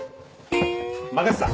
任せた。